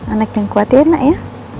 anak yang kuat enak ya